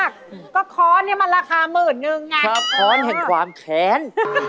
ค้อนเห็นความแขน